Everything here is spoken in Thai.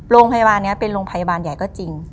โรงพยาบาลนี้เป็นโรงพยาบาลใหญ่ก็จริง